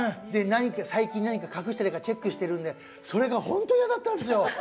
最近何か隠してないかチェックしてるんでそれが本当、嫌だったんですよ。